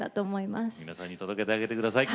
皆さんに届けてあげて下さい。